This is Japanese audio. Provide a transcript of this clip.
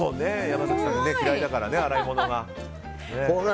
山崎さん、嫌いだからね洗い物がね。